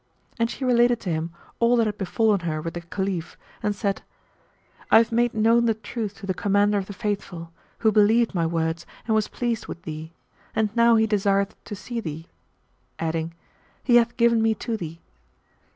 And she related to him all that had befallen her with the Caliph and said, "I have made known the truth to the Commander of the Faithful, who believed my words and was pleased with thee; and now he desireth to see thee," adding, "He hath given me to thee."